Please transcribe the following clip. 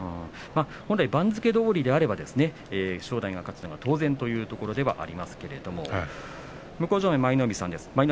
本来、番付どおりであれば正代が勝つのが当然というところではありますが向正面舞の海さんです。